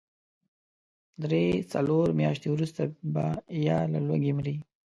درې، څلور مياشتې وروسته به يا له لوږې مري.